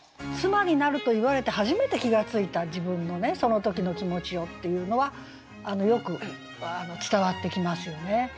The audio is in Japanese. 「妻になる」と言われて初めて気が付いた自分のその時の気持ちをっていうのはよく伝わってきますよね。